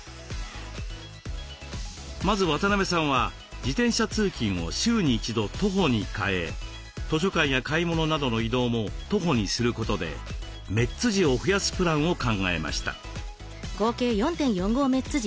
まず渡邊さんは自転車通勤を週に一度徒歩に変え図書館や買い物などの移動も徒歩にすることでメッツ時を増やすプランを考えました。